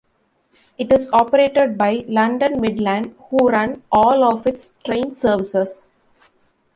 It is operated by London Midland, who run all of its train services.